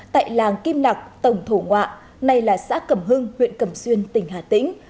tại làng kim nặc tổng thổ ngoạ nay là xã cẩm hưng huyện cẩm xuyên tỉnh hà tĩnh